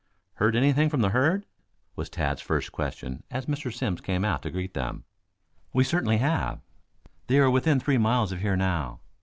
"Heard anything from the herd?" was Tad's first question as Mr. Simms came out to greet them. "We certainly have. They are within three miles of here now.